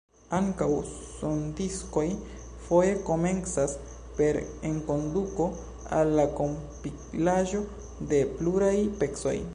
Ankaŭ sondiskoj foje komencas per enkonduko al la kompilaĵo de pluraj pecoj.